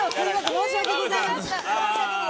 申し訳ございません。